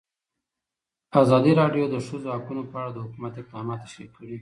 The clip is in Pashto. ازادي راډیو د د ښځو حقونه په اړه د حکومت اقدامات تشریح کړي.